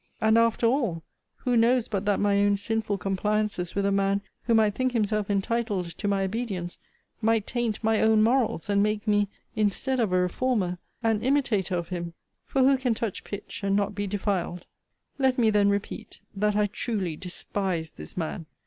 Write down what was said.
And, after all, who knows but that my own sinful compliances with a man, who might think himself entitled to my obedience, might taint my own morals, and make me, instead of a reformer, an imitator of him? For who can touch pitch, and not be defiled? 'Let me then repeat, that I truly despise this man!